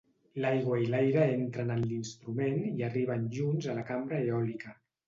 L'aigua i l'aire entren en l'instrument i arriben junts a la cambra eòlica.